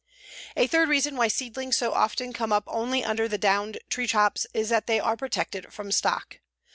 A third reason why seedlings so often come up only under the down treetops is that they are protected from stock.